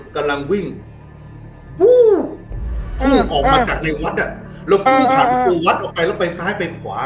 กำลังวิ่งออกมาจากในวัดอ่ะแล้ววิ่งผ่านประตูวัดออกไปแล้วไปซ้ายไปขวา